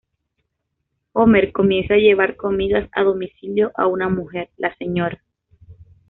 Homer comienza a llevar comidas a domicilio a una mujer, la Sra.